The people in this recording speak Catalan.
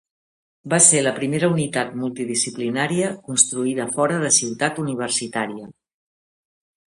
Va ser la primera unitat multidisciplinària construïda fora de Ciutat Universitària.